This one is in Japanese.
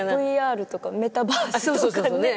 ＶＲとかメタバースとかね